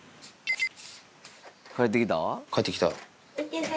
帰ってきた。